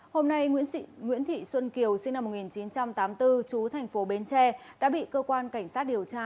hôm nay nguyễn thị xuân kiều sinh năm một nghìn chín trăm tám mươi bốn chú thành phố bến tre đã bị cơ quan cảnh sát điều tra